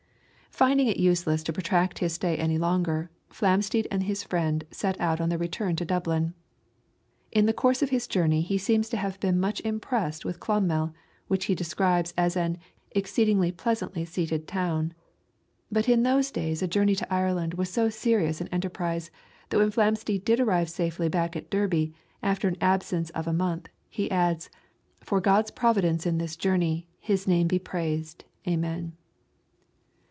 Finding it useless to protract his stay any longer, Flamsteed and his friend set out on their return to Dublin. In the course of his journey he seems to have been much impressed with Clonmel, which he describes as an "exceedingly pleasantly seated town." But in those days a journey to Ireland was so serious an enterprise that when Flamsteed did arrive safely back at Derby after an absence of a month, he adds, "For God's providence in this journey, His name be praised, Amen."